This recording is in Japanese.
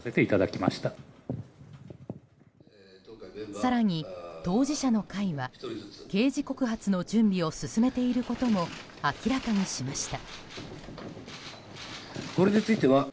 更に、当事者の会は刑事告発の準備を進めていることも明らかにしました。